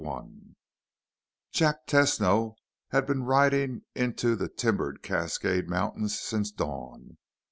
I Jack Tesno had been riding into the timbered Cascade Mountains since dawn.